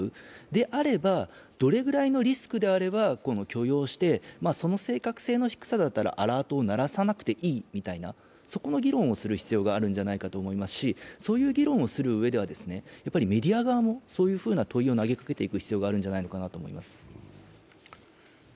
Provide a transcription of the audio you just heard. であれば、どれくらいのリスクであれば許容して、その正確性の低さだったらアラートを鳴らさなくていいという、そこの議論をする必要があるんじゃないかと思いますし、そういう議論をするうえではやっぱりメディア側もそういう問いを投げかけていく必要があるんじゃないかと思います。